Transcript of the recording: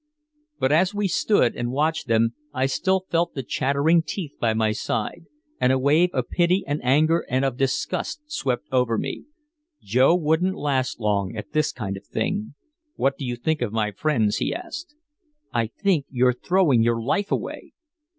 But as we stood and watched them, I still felt the chattering teeth by my side, and a wave of pity and anger and of disgust swept over me. Joe wouldn't last long at this kind of thing! "What do you think of my friends?" he asked. "I think you're throwing your life away!"